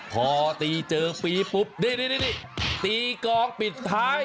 พอตีเจอปีปุ๊บนี่ตีกองปิดท้าย